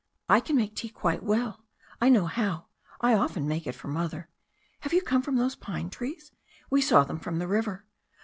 "I can make tea quite well. I know how — I often make it for Mother. Have you come from those pine trees? We saw them from the river.